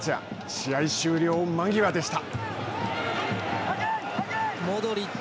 試合終了間際でした。